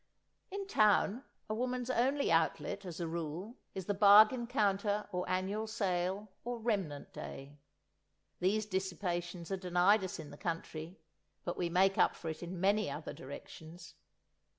In town a woman's only outlet, as a rule, is the bargain counter or annual sale or remnant day. These dissipations are denied us in the country, but we make up for it in many other directions.